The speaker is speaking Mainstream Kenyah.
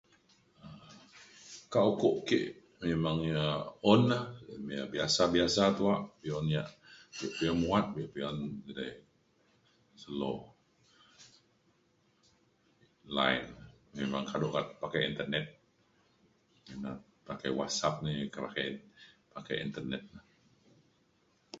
ka ukuk ke' memang ia un ne biasa biasa tuak be'un ia be'un muat be'un ia edai slow. line memang kaduk okat pakai internet pakai whatsapp ini pakai internet.